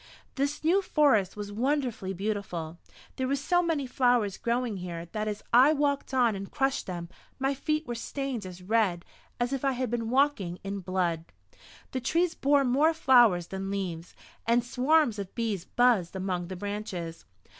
This new forest was wonderfully beautiful. There were so many flowers growing here that as I walked on and crushed them, my feet were stained as red as if I had been walking in blood. The trees bore more flowers than leaves, and swarms of bees buzzed among the branches.